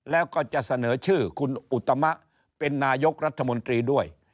แล้วก็จะเสนอชื่อคุณอุตมะเป็นนายกรัฐมนตรีด้วย